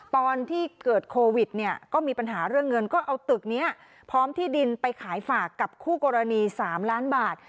ตอนที่เกิดโควิดเนี่ยก็มีปัญหาเรื่องเงินก็เอาตึกนี้พร้อมที่ดินไปขายฝากกับคู่กรณี๓ล้านบาท